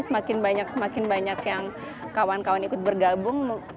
semakin banyak semakin banyak yang kawan kawan ikut bergabung